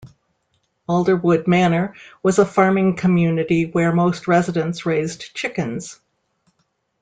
Alderwood Manor was a farming community where most residents raised chickens.